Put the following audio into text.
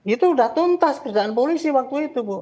itu sudah tuntas kerjaan polisi waktu itu bu